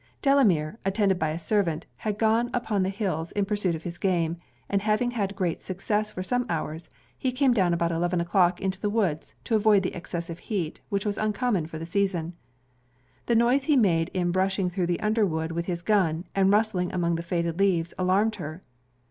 Delamere, attended by a servant, had gone upon the hills in pursuit of his game; and having had great success for some hours, he came down about eleven o'clock into the woods, to avoid the excessive heat, which was uncommon for the season. The noise he made in brushing through the underwood with his gun, and rustling among the fading leaves, alarmed her.